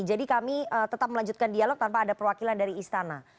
jadi kami tetap melanjutkan dialog tanpa ada perwakilan dari istana